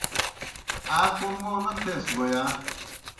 آ کوْم موں نہ تھیس بوْ یا؟